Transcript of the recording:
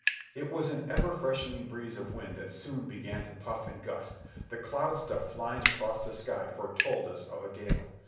It was an ever freshening breeze of wind that soon began to puff and gust. The cloud stuff flying across the sky foretold us of a gale.